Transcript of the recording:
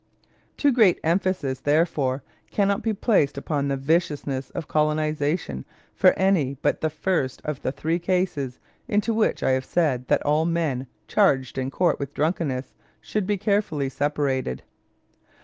Too great emphasis, therefore, cannot be placed upon the viciousness of colonization for any but the first of the three classes into which I have said that all men charged in court with drunkenness should be carefully separated.